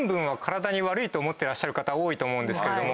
と思ってらっしゃる方多いと思うんですけども。